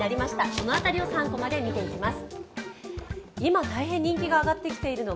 その辺りを３コマで見ていきます。